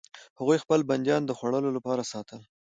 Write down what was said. هغوی خپل بندیان د خوړلو لپاره ساتل.